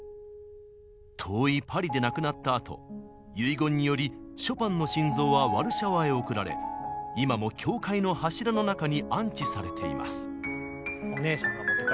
遠いパリで亡くなったあと遺言によりショパンの心臓はワルシャワへ送られ今も教会の柱の中に安置されています。